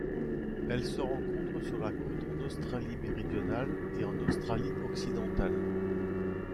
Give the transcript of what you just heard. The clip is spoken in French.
Elle se rencontre sur la côte en Australie-Méridionale et en Australie-Occidentale.